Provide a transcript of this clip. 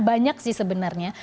banyak sih sebenarnya